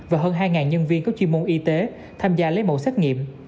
và hơn hai nhân viên có chuyên môn y tế tham gia lấy mẫu xét nghiệm